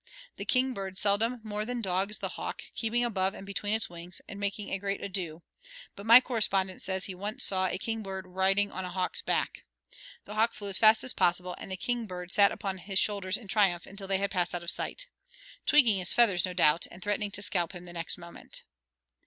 The king bird seldom more than dogs the hawk, keeping above and between his wings, and making a great ado; but my correspondent says he once "saw a king bird riding on a hawk's back. The hawk flew as fast as possible, and the king bird sat upon his shoulders in triumph until they had passed out of sight," tweaking his feathers, no doubt, and threatening to scalp him the next moment.